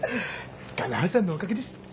我那覇さんのおかげです。